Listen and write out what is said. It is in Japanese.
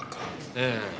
ええ。